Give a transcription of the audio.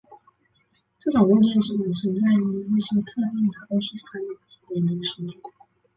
这种物件只能存在于一些特定的欧氏三维流形中。